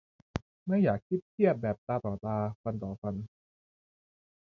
ไม่อยากคิดเทียบแบบตาต่อตาฟันต่อฟัน